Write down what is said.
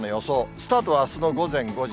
スタートはあすの午前５時。